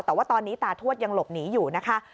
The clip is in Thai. แต่ว่าตอนนี้ตาทวดยังหลบหนีอยู่นะคะ